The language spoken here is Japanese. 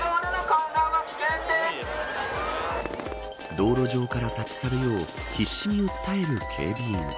道路上から立ち去るよう必死に訴える警備員。